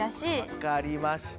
分かりました。